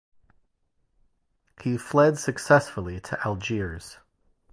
He fled successfully to Algiers.